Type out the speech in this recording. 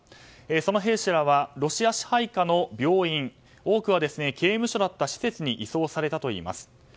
その兵士らはロシア支配下の病院多くは刑務所だった施設に移送されたといいます。